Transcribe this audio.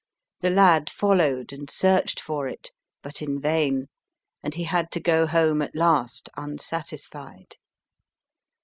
The lad followed and searched for it, but in vain, and he had to go home at last, unsatisfied.